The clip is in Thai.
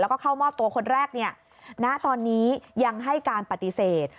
แล้วก็เข้าหม้อตัวคนแรกตอนนี้ยังให้การปฏิเสธ